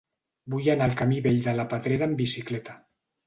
Vull anar al camí Vell de la Pedrera amb bicicleta.